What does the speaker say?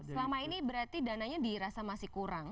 selama ini berarti dananya dirasa masih kurang